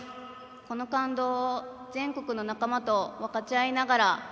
この感動を全国の仲間と分かち合いながら。